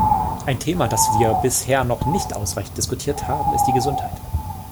Ein Thema, dass wir bisher noch nicht ausreichend diskutiert haben, ist die Gesundheit.